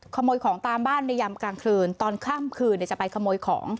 ขโมยของตามบ้านในยามกลางคืนตอนข้ามคืนจะไปขโมยของ